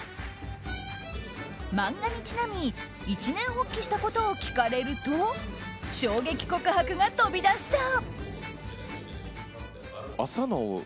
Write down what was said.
漫画にちなみ一念発起したことを聞かれると衝撃告白が飛び出した。